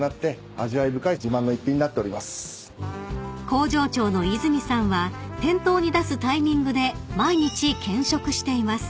［工場長の泉さんは店頭に出すタイミングで毎日検食しています］